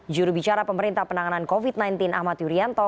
jurubicara pemerintah penanganan covid sembilan belas ahmad yuryanto